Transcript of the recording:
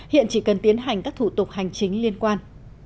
hiện chỉ cần tiến hành các thủ tục hành chính liên quan